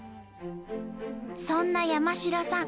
そんな山城さん